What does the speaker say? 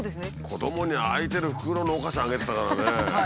子どもに開いてる袋のお菓子あげてたからね。